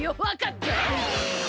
わかった？